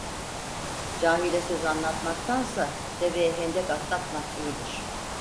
Cahile söz anlatmaktansa, deveye hendek atlatmak iyidir.